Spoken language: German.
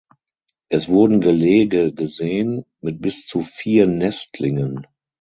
Es wurden Gelege gesehen mit bis zu vier Nestlingen.